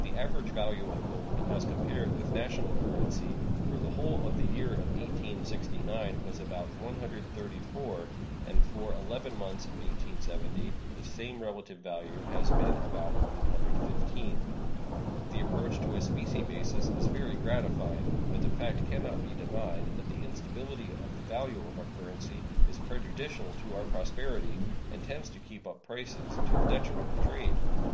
The average value of gold, as compared with national currency, for the whole of the year 1869 was about 134, and for eleven months of 1870 the same relative value has been about 115. The approach to a specie basis is very gratifying, but the fact can not be denied that the instability of the value of our currency is prejudicial to our prosperity, and tends to keep up prices, to the detriment of trade.